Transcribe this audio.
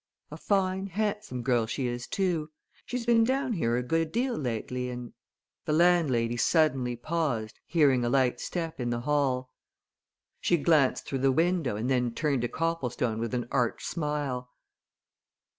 A fine, handsome girl she is, too she's been down here a good deal lately, and " The landlady suddenly paused, hearing a light step in the hall. She glanced through the window and then turned to Copplestone with an arch smile.